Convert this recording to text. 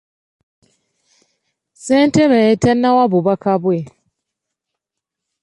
Ssentebe tannawa bubaka bwe.